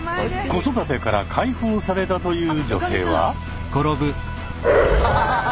子育てから解放されたという女性は？